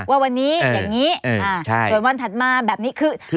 ว่าวันนี้อย่างนี้ส่วนวันถัดมาแบบนี้คือ